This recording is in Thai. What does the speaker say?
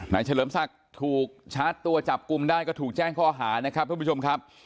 นายเฉลิมศักดิ์ถูกชัดตัวจับกุมได้ก็ถูกแจ้งข้อหานะครับ